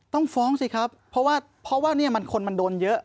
ต้องฟ้องสิครับเพราะว่าเพราะว่าคนมันโดนเยอะ